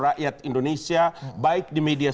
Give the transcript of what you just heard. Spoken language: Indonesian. rakyat indonesia baik di media